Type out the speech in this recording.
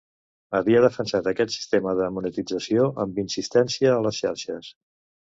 Havia defensat aquest sistema de monetització amb insistència a les xarxes.